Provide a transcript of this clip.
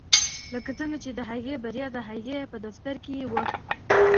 لکه څنګه چې د هغې بریا د هغې په دفتر کې وه.